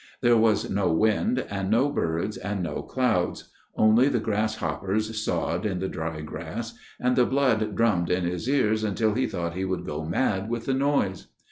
There was no wind, and no birds, and no clouds ; only the grasshoppers sawed in the dry grass, and the blood drummed in his ears until he thought he would go mad with the noise.